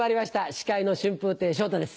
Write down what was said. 司会の春風亭昇太です。